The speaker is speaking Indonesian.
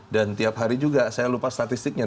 dan tiap hari juga saya lupa statistiknya